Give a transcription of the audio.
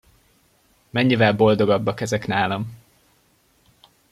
Mennyivel boldogabbak ezek nálam!